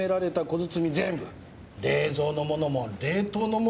冷蔵のものも冷凍のものもです。